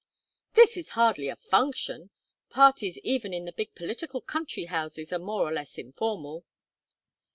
"This is hardly a function parties even in the big political country houses are more or less informal."